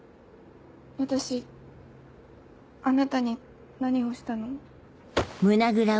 私あなたに何をしたの？